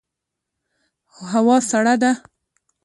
هوا سړه ده